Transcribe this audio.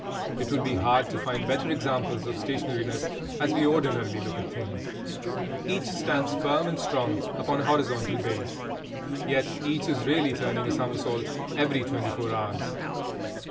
It would be hard to find better examples of stationariness, as we ordinarily look at things. Each stands, firm and strong, upon a horizontal base. Yet each is really turning a somersault every twenty four hours.